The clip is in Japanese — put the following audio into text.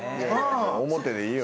表でいいよ。